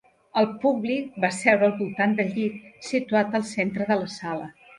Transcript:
El públic va seure al voltant del llit, situat al centre de la sala.